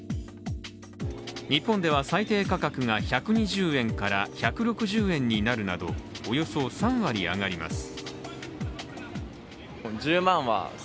日本では最低価格が１２０円から１６０円になるなどおよそ３割上がります。